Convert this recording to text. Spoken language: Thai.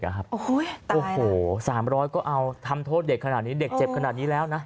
โอ้โห๓๐๐ก็เอาทำโทษเด็กขนาดนี้เด็กเจ็บขนาดนี้แล้วนะ